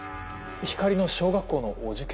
光莉の小学校のお受験